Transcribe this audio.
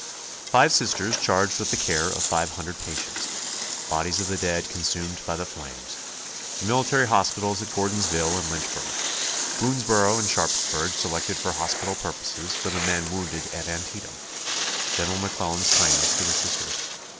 Five Sisters charged with the care of five hundred patients. Bodies of the dead consumed by the flames. The military hospitals at Gordonsville and Lynchburg. Boonsboro and Sharpsburg selected for hospital purposes for the men wounded at Antietam. General McClellan's kindness to the Sisters.